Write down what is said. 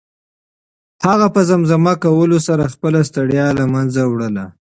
هغه په زمزمه کولو سره خپله ستړیا له منځه وړله.